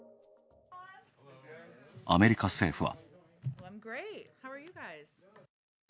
アメリカ政府は。